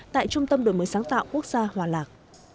tại trung tâm đổi mới sáng tạo quốc gia hòa lạc